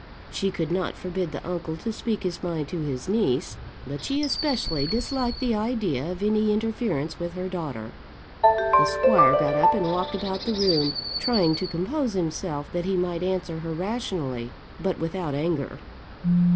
She could not forbid the uncle to speak his mind to his niece, but she especially disliked the idea of any interference with her daughter. The squire got up and walked about the room, trying to compose himself that he might answer her rationally, but without anger.